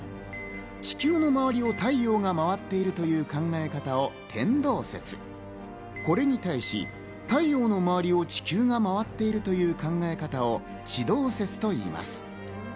地球の周りを太陽が回るという考え方を天動説、これに対し、太陽の周りを地球が回っているという考え方を地動説といいます。